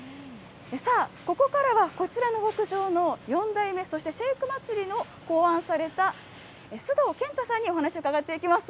さあ、ここからは、こちらの牧場の４代目、そしてシェイク祭を考案された須藤健太さんにお話伺っていきます。